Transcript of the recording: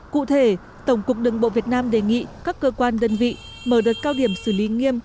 cụ thể tổng cục đường bộ việt nam đề nghị các cơ quan đơn vị mở đợt cao điểm xử lý nghiêm